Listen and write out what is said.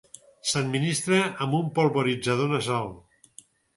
S'administra amb un polvoritzador nasal.